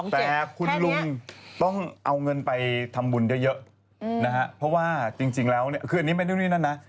แต่คุณลุงต้องเอาเงินไปทำบุญเยอะนะครับเพราะว่าจริงครับคืออันนี้ไม่นิ้วนิ้วนี้นั้นนะ